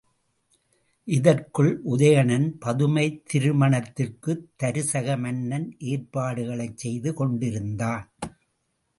இதற்குள் உதயணன், பதுமை திருமணத்திற்குத் தருசக மன்னன் ஏற்பாடுகளைச் செய்து கொண்டிருந்தான்.